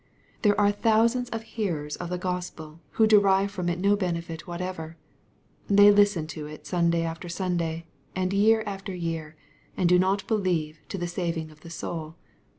There are thousands of hearers of the Gospel who de rive from it no benefit whatever. They listen to it Sunday after Sunday, and year after year, and do not believe to Ihe saving of the soul.